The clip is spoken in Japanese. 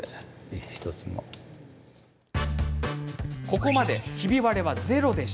ここまで、ひび割れはゼロ。